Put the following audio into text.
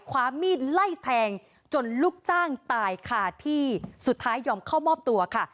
ความมีดไล่แทงจนลูกจ้างตายคาที่สุดท้ายยอมเข้ามอบตัวค่ะ